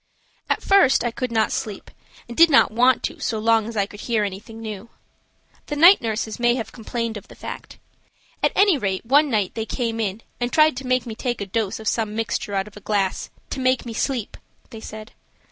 At first I could not sleep and did not want to so long as I could hear anything new. The night nurses may have complained of the fact. At any rate one night they came in and tried to make me take a dose of some mixture out of a glass "to make me sleep," they said.